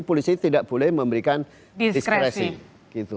polisi tidak boleh memberikan diskresi gitu